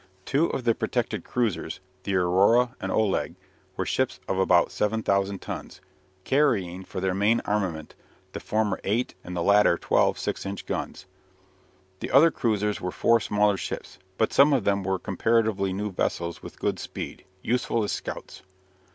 Two of the protected cruisers, the "Aurora" and "Oleg," were ships of about 7000 tons, carrying for their main armament the former eight and the latter twelve 6 inch guns. The other cruisers were four smaller ships, but some of them were comparatively new vessels with good speed useful as scouts.